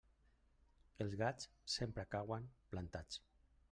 Els gats sempre cauen plantats.